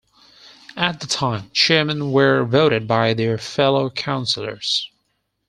At the time, chairmen were voted by their fellow councillors.